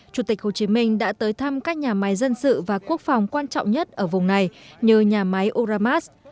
chủ tịch hồ chí minh đã tới thăm các nhà máy dân sự và quốc phòng quan trọng nhất ở vùng này như nhà máy uramas